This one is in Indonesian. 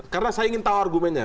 karena saya ingin tahu argumennya